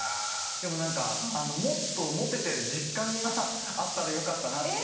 でも、もっとモテてる実感があったらよかったなって。